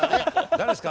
誰ですか？